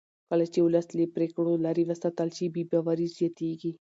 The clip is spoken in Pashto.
کله چې ولس له پرېکړو لرې وساتل شي بې باوري زیاتېږي